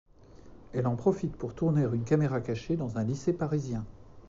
Elle en profite pour tourner une caméra cachée dans un lycée parisien.